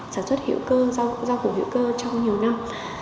sản xuất rau củ hữu cơ trong nhiều năm